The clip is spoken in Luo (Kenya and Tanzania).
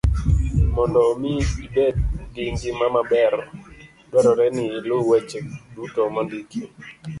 Mondo omi ibed gi ngima maber, dwarore ni iluw weche duto mondiki